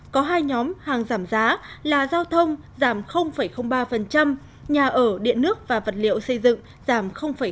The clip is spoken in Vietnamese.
có hai nhóm hàng giảm giá là giao thông giảm ba nhà ở điện nước và vật liệu xây dựng giảm năm mươi